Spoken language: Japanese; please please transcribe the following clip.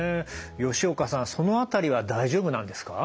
吉岡さんその辺りは大丈夫なんですか？